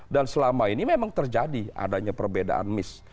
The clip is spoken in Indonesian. dan selama ini memang terjadi adanya perbedaan miss